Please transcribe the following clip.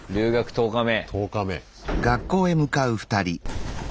１０日目。